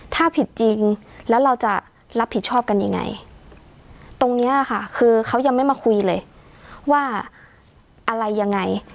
ถ้าผิดจริงแล้วเราจะรับผิดชอบกันยังไงตรงเนี้ยค่ะคือเขายังไม่มาคุยเลยว่าอะไรยังไง